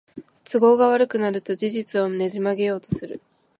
都合が悪くなると事実をねじ曲げようとする